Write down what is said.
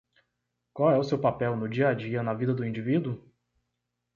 Qual é o seu papel no dia-a-dia na vida do indivíduo?